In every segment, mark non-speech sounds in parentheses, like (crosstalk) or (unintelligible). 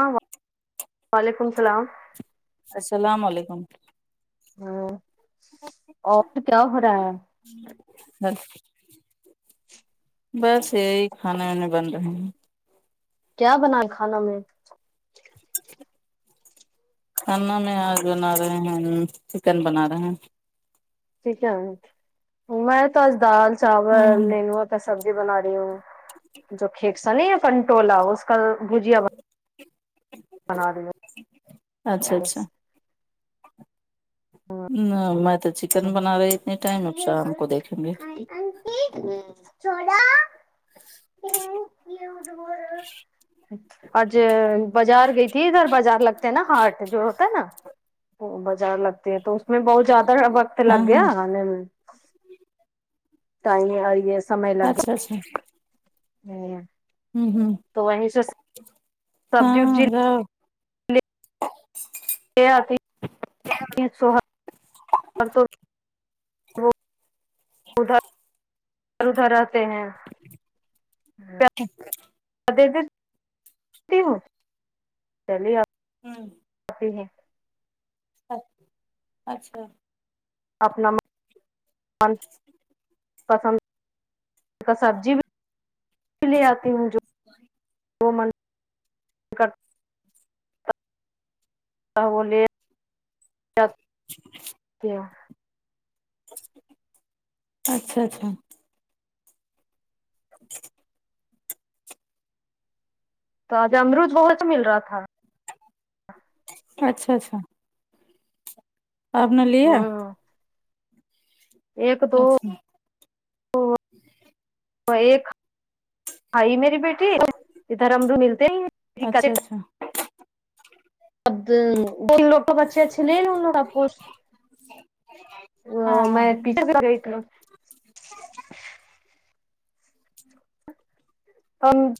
ہاں وعلیکم السلام السلام علیکم ہاں اور کیا ہو رہا ہے ہاں بس یہی کھانے وانے بن رہے ہیں کیا بنا ہے کھانا میں کانا میں آج بنا رہے ہیں چکن بنا رہے ہیں ٹھیک ہے ن میں تو آج دال چاول ہ نینو ا سبزی بنا رہی ہوں جو کھییکسان یا فنٹولا اس کا بھجیا بن بنااد اچھا اچھا نہ میں تو چکن بنا رہی اتنی ٹائم اب شام کو دیکھیں گے چھلاا آج بازار گئی تھی ادھر بازار لگتے ہیں نا ہاٹ جو ہوتا ہے نا وہ بازار لگتے ہے تو میں بہت زیاد وقت ہاں لگ ہاں گ میں تو اور یہ سمے لگ اچھا اچھا گا ہوں ہوں تو وہیں سے (inaudible) سبزی وبزی ہاں کیا آتی سو ادھر ادھر ادھر رہتے ہیں چک د د ہوں چلیے آپ ہوں ای ہے اچ اچھا اپنا پسند سبزی بھی اس لیے آتی ہوں جو وہ م ا بلیے اچھا اچھا (inaudible) تو آج امرود بہت مل رہا تھا اچھا اچھا آپ نے لیا ہوں ایک دو اچھا ایک ہئی میری بیٹی ادھر امرو ملتے ہی اچھا اچھا اب لوگ بچے اچھے لے ل ان لوگب (inaudible) ا میں پیچھ گئی ا (unintelligible)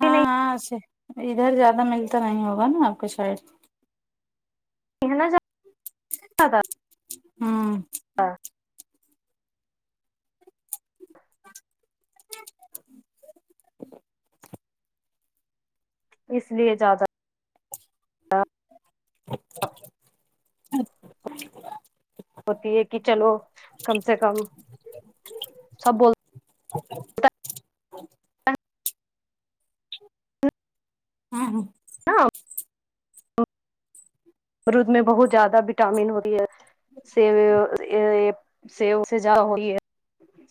ہاں نہیں ہاںے ادھر زیادہ ملتا نہیں ہوگا نا آپ کو شاید کہا ج ہاں ہاں ج اس لیے زیادہ اچ ہوتی ہے کہ چلو کم سے کم سب بول ھم ہاں ہاں ہاں برود میں بہت زیادہ وٹامن ہوی ہے سی سی سجا ہوئی ہے جیی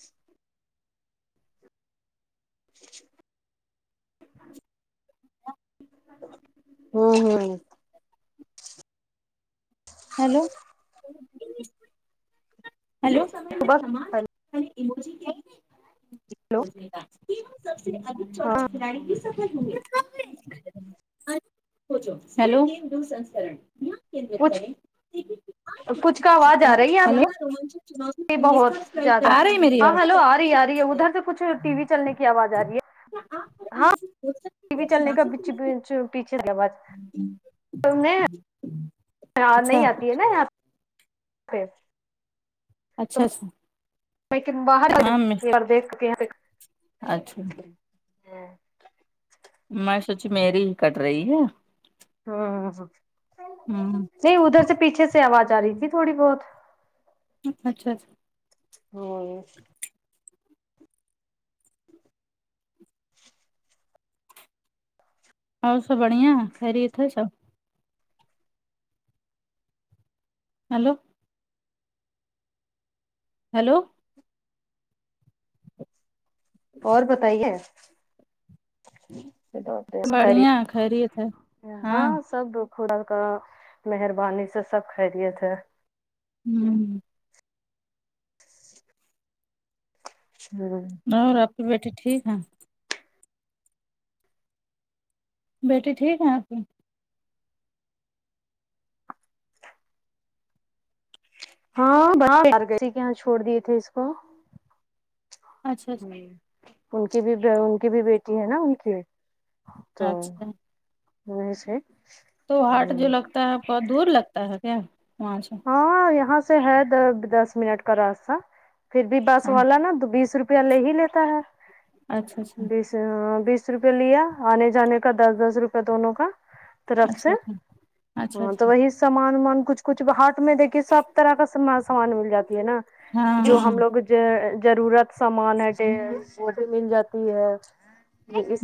اچھ ہوں ہوں ہیلو ہلو سمے میں سامان ہلو ایموجی کیا سب سے ادھک چ ہاں کھلاڑی بھی سفر ہ گے س سسکر کیا کچھ کریں آپ سکتے ہیں ہلو یہ بہت زیادہ ہاں ہلو آ رہی ہے آ رہی ہے ادھر سے کچھ ٹی وی چلنے کی آواز آ رہی ہے ہاں ٹی وی چلنے کا پیچھے تھا میںاں اچھا نہیں آتی ہے نا یہاں اچھاچھا میںیک باہرار دھ کے پ اچھا میں سوچی میری ہی کٹ رہی ہے ہاں ہ ہ ہوں نہیں ادھر سے پیچھے سے آواز آ رہی تھی تھوڑی بہت اچھا اچھا ہوں ہو سب بڑھیا خرییت سب ہیلو ہیلو اور بتائیے بڑھیا خیریت ہے ہاں سب ر خودل کا مہربانی سے سب کرییے تھے ہوں ہاں ہ راپل بیٹے ٹھیک ہے بیٹی ٹھیک ہے آپ کی ہاں بڑسی کے یہاں چھوڑ دیے تھے اس کو اچھا اچھا ہ ان کی بھی ان کی بھی بیٹی ہے نا ان کی تو اچھا وس تو ہارٹ جو لگتا ہے بہت دور لگتا ہے کیا وہاں سے ہاں یہاں سے ہے دس منٹ کا راستہ پھر بھی بس والا نا دو بیس روپ روپیہ لے ہی لیتا ہے اچھا اچھا بیس چ بیس روپئے لیا آنے جانے کا دس دس روپے دونوں کا طرف سے اچھا اچھا اچھا ہاں تو اچھا وہی سامان ومان کچھ کچھ باہر دیکھیے سب طرح کا س سامان مل جاتی ہے نا ہاں جو ہاں ہم لوگ جو ضرورت سامان ہے وہ بھی مل جاتی ہے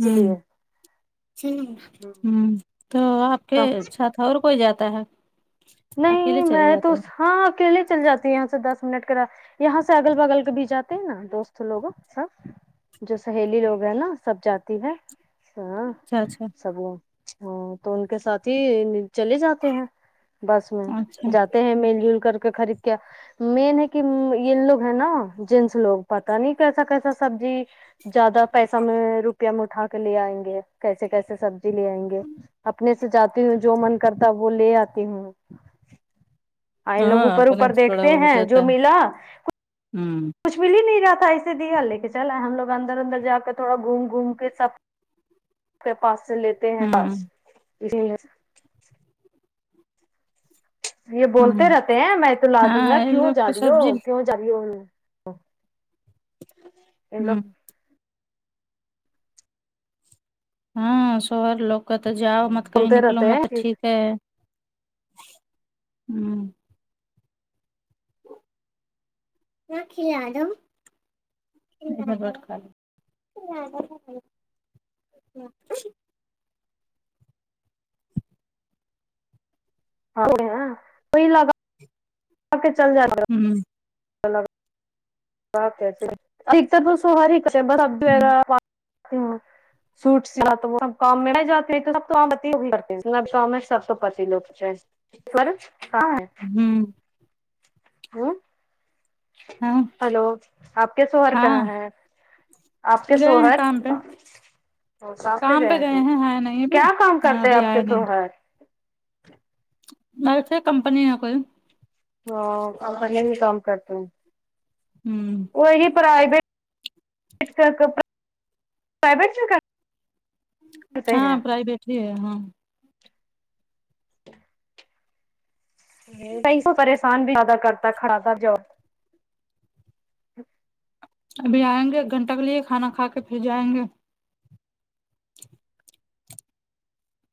ہ لیے ہ تو آپ کے سات اور کوئی جاتا ہے اکیلے نہیں چلے میں تو جاتے ہیں ہاں اکیلے چل جاتی ہ دس منٹ کرا یہاں سے اگل بغل کے بھی جاتے ہیں نا دوست لوگ سب جو سہیلی لوگ ہیں نا سب جاتی ہے ہاں اچھا اچھا سب وہ ہاں تو ان کے ساتھ ہی چلے جاتے ہیں بس میں اچھا جاتے ہیں مل جل کر کے خرید کے مین ہے کہ یہ لوگ ہے نا جینس لوگ پتا نہیں کیسا کیسا سبزی زیادہ پیسہ میں روپیہ میں اٹا کے لے آئیں گے کیسے کیسے سبزی لے آئیں گے اپنے سے جاتی ہوں جو من کرتا وہ لے آتی ہوں ہاں ان لوگ اوپر اپنا اوپر تھوڑا دیکھتے وہ ہو ہیں جاتا جو ہے ملا کچھ ہوں کچھ مل ہی نہیں رہا تھا ایسے دیا لے کے چل ہم لوگ اندر اندر جا کر تھوڑا گھوم گھوم کے سب کے پاس سے لیتے ہیں ہوں یہ بولتے ہوں رہتے ہیں میں تو لا دوں گا ہاں یہ کیوں لوگ جا کو رہی سبزی ہو کیوں جب ہوں ہاں شوہر لوگ کا جاؤ مت کہیں بولتے نکلو رہتے مت ہیں ٹھ ہے ہوں کیا (inaudible) (inaudible) (inaudible) آ کے چل جائے گا ہوں (inaudible) (inaudible) سوٹ تو وہ سب کام میں جاتے تو سب تو کر کام میں سب تو پتی لوگ (inaudible) ہوں ہاں ہیلو آپ کے شوہر ہاں کہاں ہے آپ کے گئے ہیں شوہر کام پہ وہ کام پہ گئے ہیں گیا ہیں ہے نہیں ابھی کیا کام ہاں کرتے ابھی آپ کے آئے نہیں شوہر اسے کمپنی ہے کوئی (inaudible) پرویٹ ہوں پرویٹ میں کرتے ہاں ہیں پرائیویٹ ہی ہے ہاں پریشان بھی زیادہ کرتا کھڑا تھا جواب ابھی آئیں گے ایک گھنٹہ کے لیے کھانا کھا کے پھر جائیں گے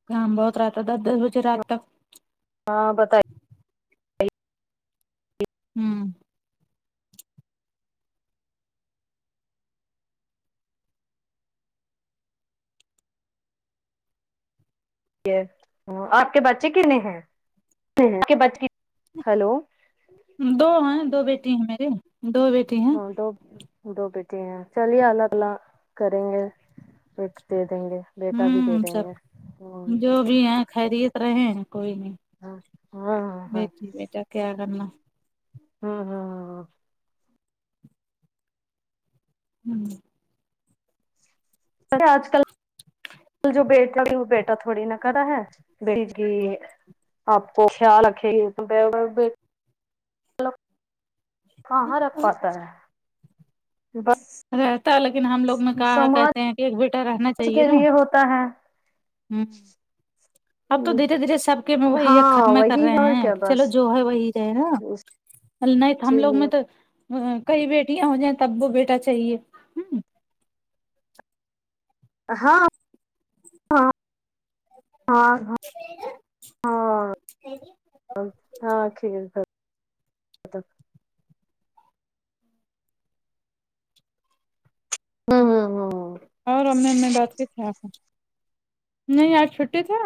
کام بہت رہتا ہے دس دس بجے رات تک ہاں بتائی ہوں آپ کے بچے کتنے ہیں آپ کے بچے کی ہیلو دو ہیں دو بیٹی ہیں میرری دو بیٹی ہیں دو بیٹے ہیں چلی اگلا کریں گے (inaudible) دے ہوں دیں سب گے جو بھی ہیں خرییت رہے ہیں کوئی نہیں ہاں ہاں ہاں ہاں بیٹی بیٹا کیا کرنا ہاں ہاں ہوں (unintelligible) ویسے آج کل کل جو بیٹا ہو وہ بیٹا تھوڑی نا کرا ہے بیٹی آپ کو خیال رکھے گی وہ کہاں رکھ پاتا ہے بس رہتا ہے لیکن ہم لوگ نے کہاں کہتے سماج ہیں ایک بیٹا رہنا چاہیے کے نا لیے ہوتا ہے اب تو دھیرے دھیرے سب کے وہ یہ ہاں ختم کر وہی رہے ہے اور ہیں کیا کہ چلو بس جو ہے وہی رہے نا نہیں تو ہم اسی لوگ لیے میں تو کئی بیٹیاں ہو جائیں تب وہ بیٹا چاہیے ہاں ہاں ہاں ہاں ہاں ہاں کھ (inaudible) ہوں اور امی امی بات کی تھی آپ نہیں یار چھٹی تھا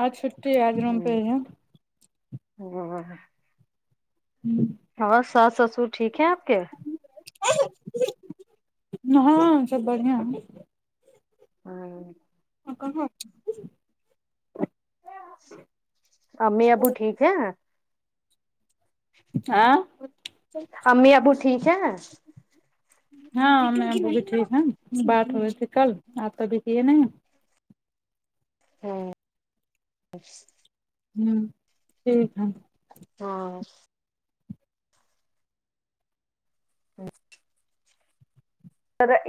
آج چھٹی ہے آج روم پہ ہ (unintelligible) ہوں (inaudible) ہاں ساس سسور ٹھیک ہے آپ کے ہاں سب بڑھیا ہے ہاں (inaudible) ا کہ ہاں (unintelligible) امی ابو ٹھیک ہے آاں (unintelligible) امی ابو ٹھیک ہے ہاں میں اب بھی ٹھیک بات ہو رہی تھی کل آپ ابھی کیے نہیں ہاں (unintelligible) ہوں ٹھیک ہے (unintelligible) ہاں اچ (inaudible)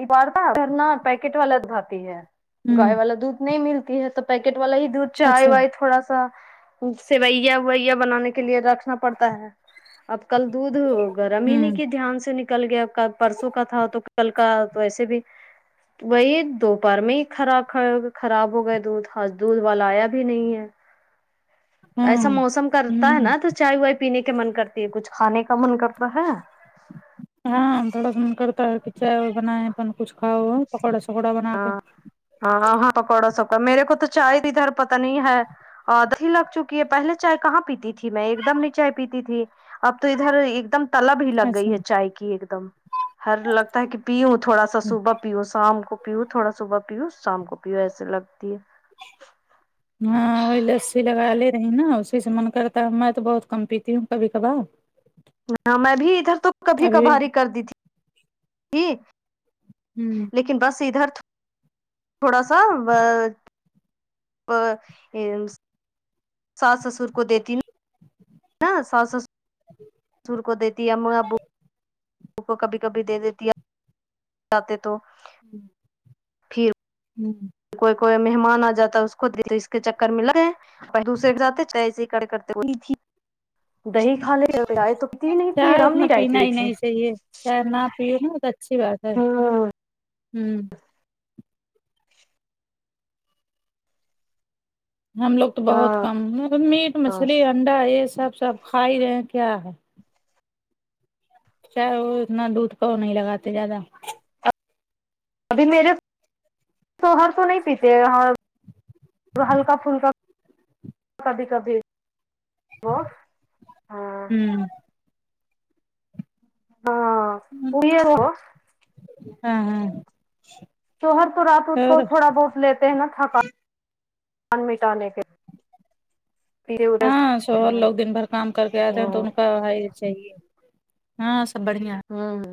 بار ادھر ن پیکٹ والا دھاتی ہے ہمم گائے والا دودھ نہیں ملتی ہے تو (unintelligible) (inaudible) پیکٹ والا ہی دودھ چائے اچھا وائے تھوڑا سا سیویا وویا بنانے کے لیے رکھنا پڑتا ہے اب کل دودھ ہمم گرمینی کی دھیان سے نکل گیا ک پرسوں کا تھا تو کل کا تو ایسے بھی وہی دوپہر میں ہی خراب خراب ہو گئے دودھ آج دودھ والا آیا بھی نہیں ہے (inaudible) ایسا ہمم موسم کرتا ہے ہمم نا تو چائے وائے پینے کے من کرتی ہے کچھ کھانے کا من کرتا ہے ہاں تھوڑا سا من کرتا ہے کہ چائے وائے بنائےیں اپ کچھ کاؤ پکوڑا سکوڑا بنا کے ہاں ہاں پکوڑا سب کا میرے کو تو چائے ادھر پت نہیں ہے اوری لگ چکی ہے پہلے چائے کہاں پیتی تھی میں ایک دم نہیں چائے پیتی تھی (unintelligible) اب تو ادھر ایک دم تلب ہی لگ اچھا گئی ہے چائے کی ایک دم ہر لگتا ہے کہ پی ہ تھوڑا سا صوبح (unintelligible) پیو شام کو پیؤ تھوڑا صبح پیو شام کو پیو ایسے لگتی ہے (inaudible) ہاں وہی لسی لگا لے رہی نا اسی سے من کرتا ہے میں تو بہت کم پیتی ہوں کبھی کبار میں بھی ادھر تو کبھی ابھی کبھاری کر دی تھی ج (unintelligible) ہوں (inaudible) لیکن بس ادھر تھوڑا سا ا ا (unintelligible) ساس سسر کو دیتی ناا ساس سسر س سسر کو دیتی اب (unintelligible) کو کبھی کبھی دے دیتی ج تو (unintelligible) ہ پھر ہوں (inaudible) کوئی کوئی مہمان آ جاتا ہے اس کو اس کے چکر ملا ہے پ دوسرے جاتے تو ای ک کرتے (unintelligible) دہی کھا لے رائے تو تی نہیں تھی رام نہیں رائے پی تھی چیے چاہ نہ پیو نا تو اچھی بات ہے ہوں ہوں ہم لوگ تو بہت ہاں کم میٹ مچھلی انڈا یہ سب سب کھا ہی رہے ہیں کیا ہے چاہے وہ اتنا دودھ پاؤ نہیں لگاتے زیادہ ابھی میرے شوہر تو نہیں پیتے ہلکا پھلکا کبھی کبھی وہ ہاں ہوں (unintelligible) ہاں ہاں تو ہر تو رات اس کو اور تھوڑا بہت لیتے ہیں نا تھکان مٹانے کے پیتے وتے ہاں سو لوگ دن بھر کام کر کے آتے ہیں تو ہوں ان کو ائی چاہیے ہاں سب بڑھیا ہاں ہاں